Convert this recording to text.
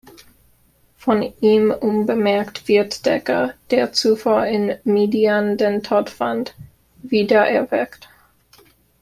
Von ihm unbemerkt wird Decker, der zuvor in Midian den Tod fand, wiedererweckt.